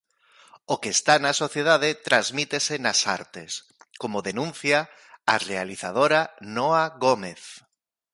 O que está na sociedade transmítese nas artes, como denuncia a realizadora Noa Gómez.